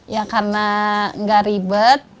ya karena enggak ribet